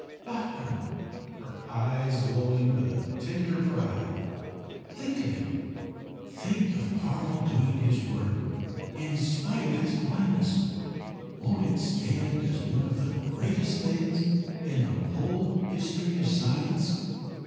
"Doctor," her eyes glowing with a tender pride "think of it! Think of Karl doing his work in spite of his blindness! Won't it stand as one of the greatest things in the whole history of science?"